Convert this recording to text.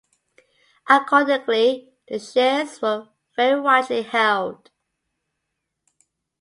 Accordingly the shares were very widely held.